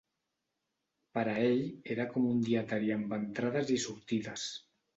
Pera ell era com un dietari amb entrades i sortides